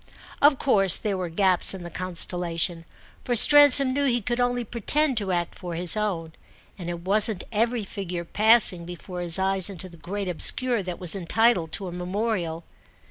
Of course there were gaps in the constellation, for Stransom knew he could only pretend to act for his own, and it wasn't every figure passing before his eyes into the great obscure that was entitled to a memorial.